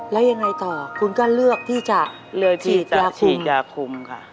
แล้วยังไงต่อคุณก็เลือกที่จะฉีดยาคุม